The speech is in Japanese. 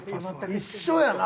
一緒やな。